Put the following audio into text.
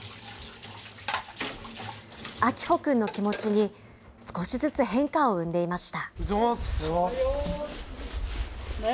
明峰君の気持ちに、少しずつ変化を生んでいました。